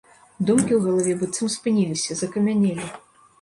Думкі ў галаве быццам спыніліся, закамянелі.